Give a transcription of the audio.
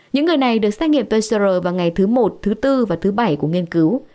những người này được xét nghiệm pcr vào ngày thứ một thứ bốn và thứ bảy của nghiên cứu